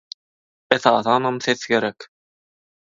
Esasanam ses gerek.